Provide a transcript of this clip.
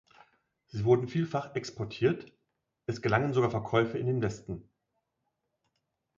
Sie wurde vielfach exportiert, es gelangen sogar Verkäufe in den Westen.